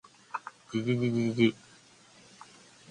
じじじじじ